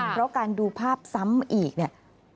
เพราะการดูภาพซ้ำอีกเนี่ย